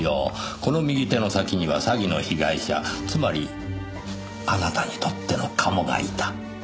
この右手の先には詐欺の被害者つまりあなたにとってのカモがいた。